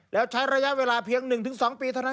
แล้วใช้ระยะเวลาเพียง๑๒ปีเท่านั้น